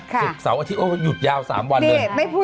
สุดสาวอาทิตย์โอ้ยหยุดยาว๓วันเลยได้ก็ไม่ได้